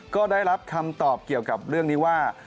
ก็ได้รับคำตอบเกี่ยวกับเรื่องนี้ว่า